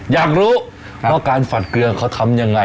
อยากรู้ว่าการฝัดเกลือเขาทำยังไง